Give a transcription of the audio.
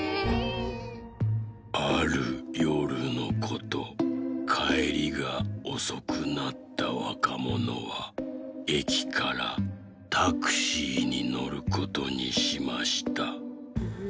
「あるよるのことかえりがおそくなったわかものはえきからタクシーにのることにしました。